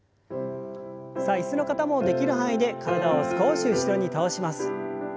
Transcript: さあ椅子の方もできる範囲で体を少し後ろに倒します。